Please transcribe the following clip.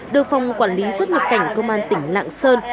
được phòng quản lý xuất nhập cảnh công an tỉnh lạng sơn